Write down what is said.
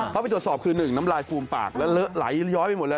เขาไปตรวจสอบคือ๑น้ำลายฟูมปากแล้วเลอะไหลย้อยไปหมดเลย